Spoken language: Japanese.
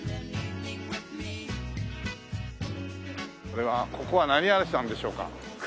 これはここは何屋さんでしょうか？